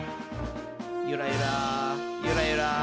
ゆらゆらゆらゆら。